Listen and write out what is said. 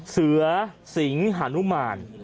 เสือสิงหานุมาน